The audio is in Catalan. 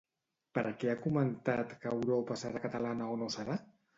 Per què ha comentat que Europa serà catalana o no serà?